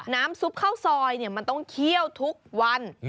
น้ำซุปข้าวซอยมันต้องเคี่ยวทุกวัน